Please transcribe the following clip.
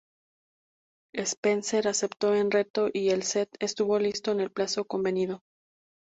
Spencer aceptó en reto y el set estuvo listo en el plazo convenido.